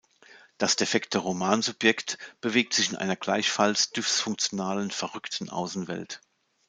Das defekte Roman-Subjekt bewegt sich in einer gleichfalls dysfunktionalen, verrückten Außenwelt.